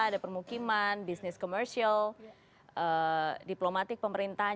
ada permukiman bisnis komersial diplomatik pemerintahan